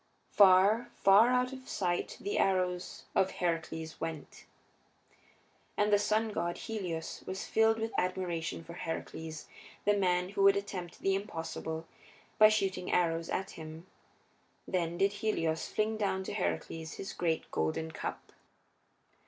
Far, far out of sight the arrows of Heracles went. And the sun god, Helios, was filled with admiration for Heracles, the man who would attempt the impossible by shooting arrows at him; then did Helios fling down to Heracles his great golden cup.